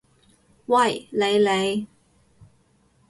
喂，你！你！